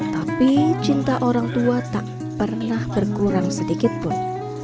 tapi cinta orang tua tak pernah berkurang sedikitpun